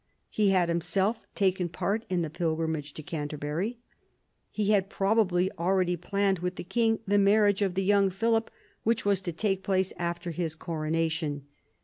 He had himself taken part in the pilgrimage to Canterbury. He had probably already planned with the king the marriage of the young Philip, which was to take place after his coronation.